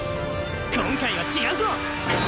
今回は違うぞ！